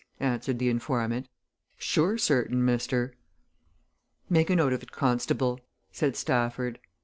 answered the informant. "Sure certain, mister." "Make a note of it, constable," said Stafford.